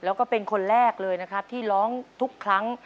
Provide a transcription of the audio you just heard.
แล้วก็เป็นคนแรกเลยนะครับที่ร้องทุกครั้ง